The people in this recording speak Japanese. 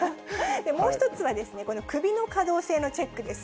もう一つはこの首の可動性のチェックです。